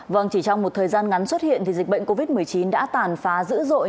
vâng chỉ trong một thời gian ngắn xuất hiện thì dịch bệnh covid một mươi chín đã tàn phá dữ dội